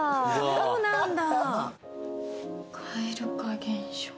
そうなんだ。